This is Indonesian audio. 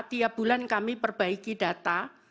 tiap bulan kami perbaiki data